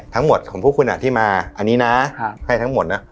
ทั้งหมดของพวกคุณที่มาอันนี้นะให้ทั้งหมดนะ